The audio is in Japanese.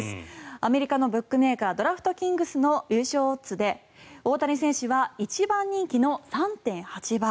アメリカのブックメーカードラフトキングスの優勝オッズで大谷選手は一番人気の３．８倍。